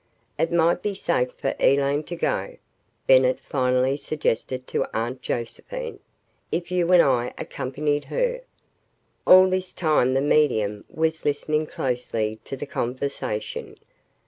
"It might be safe for Elaine to go," Bennett finally suggested to Aunt Josephine, "if you and I accompanied her." All this time the medium was listening closely to the conversation.